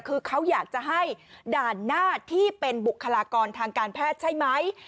คือเขาอยากจะให้ด่านหน้าที่เป็นบุคลากรทางการแพทย์ใช่ไหม